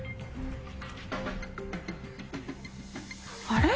あれ？